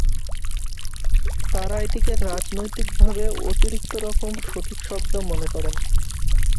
তারা এটিকে রাজনৈতিকভাবে অতিরিক্ত রকম সঠিক শব্দ মনে করেন।